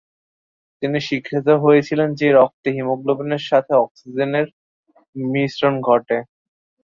তিনি স্বীকৃত হয়েছিলেন যে রক্তে হিমোগ্লোবিনের সাথে অক্সিজেনের সংমিশ্রণ ঘটে।